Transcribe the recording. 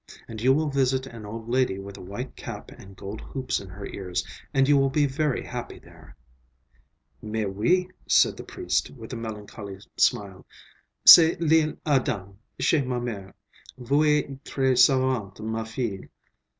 And you will visit an old lady with a white cap and gold hoops in her ears, and you will be very happy there." "Mais, oui," said the priest, with a melancholy smile. "C'est L'Isle Adam, chez ma mère. Vous êtes très savante, ma fille."